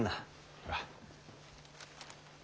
ほら。